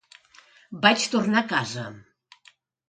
Vaig tornar a casa.